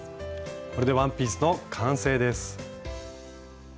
これでワンピースの完成です。